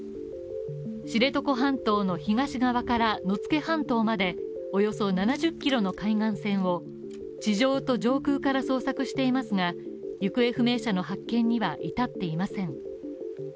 知床半島の東側から野付半島までおよそ７０キロの海岸線を地上と上空から捜索していますが、行方不明者の発見には至っていません。